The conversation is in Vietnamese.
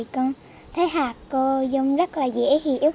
con thấy hạc dung rất dễ hiểu